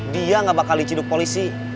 dia gak bakal licin duk polisi